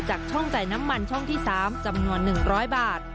ช่องจ่ายน้ำมันช่องที่๓จำนวน๑๐๐บาท